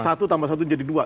satu tambah satu jadi dua